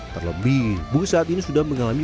terlebih bus saat ini sudah mengalami